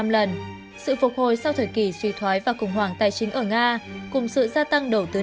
năm lần sự phục hồi sau thời kỳ suy thoái và khủng hoảng tài chính ở nga cùng sự gia tăng đầu tướng